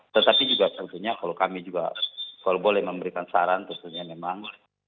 tetapi juga tentunya kalau kami juga kalau boleh memberikan saran tentunya memang